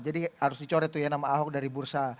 harus dicoret tuh ya nama ahok dari bursa